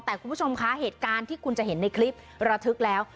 แต่คุณผู้ชมคะเหตุการณ์ที่คุณจะเห็นในคลิประทึกแล้ว